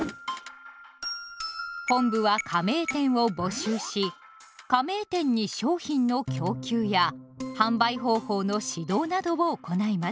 本部は加盟店を募集し加盟店に商品の供給や販売方法の指導などを行います。